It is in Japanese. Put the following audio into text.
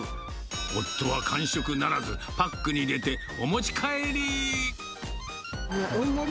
夫は完食ならず、パックに入れてお持ち帰り。